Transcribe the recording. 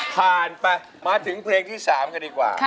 ผ่านไปมาถึงเพลงที่๓กันดีกว่า